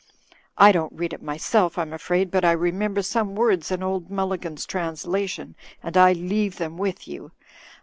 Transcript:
I don't read it myself, I'm afraid, but I remember some words in old Mulli gan's translation; and I leave them with you.